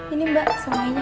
ini mbak semuanya